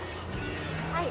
はい。